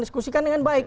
diskusikan dengan baik